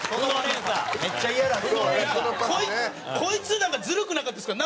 こいつなんかずるくなかったですか？